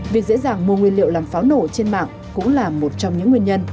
việc dễ dàng mua nguyên liệu làm pháo nổ trên mạng cũng là một trong những nguyên nhân